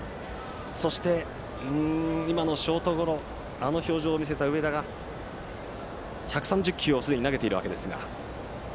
そして、今のショートゴロであの表情を見せた上田は１３０球をすでに投げていますが。